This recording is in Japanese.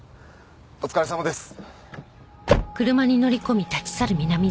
お疲れさまです！